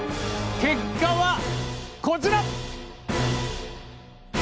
結果はこちら！